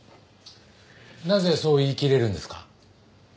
なぜそう言いきれるんですか？